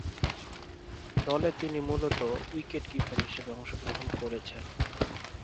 দলে তিনি মূলতঃ উইকেট-কিপার হিসেবে অংশগ্রহণ করছেন।